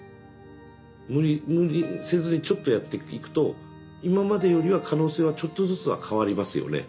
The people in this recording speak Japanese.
無理無理せずにちょっとやっていくと今までよりは可能性はちょっとずつは変わりますよね。